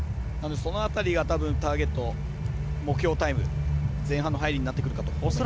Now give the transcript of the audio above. その辺りがターゲット目標タイム前半の入りになってくると思います。